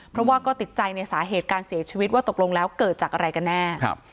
เพราะว่าก็ติดใจในสาเหตุการเสียชีวิตว่าตกลงแล้วเกิดจากอะไรกันแน่